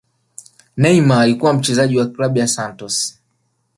neynar alikuwa mchezaji wa klabu ya santos